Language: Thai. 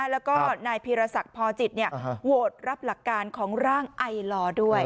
แล้วก็นายพีรศักดิ์พอจิตโหวตรับหลักการของร่างไอลอด้วย